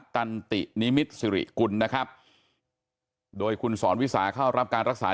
ตันตินิมิตรสิริกุลนะครับโดยคุณสอนวิสาเข้ารับการรักษา